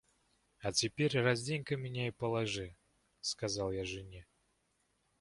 — А теперь раздень-ка меня и положи, — сказал я жене.